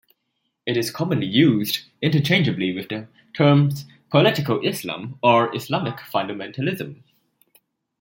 It is commonly used interchangeably with the terms political Islam or "Islamic fundamentalism".